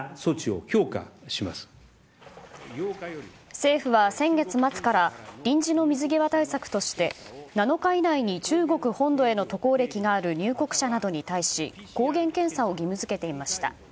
政府は先月末から臨時の水際対策として７日以内に中国本土への渡航歴がある入国者などに対し抗原検査を義務付けていました。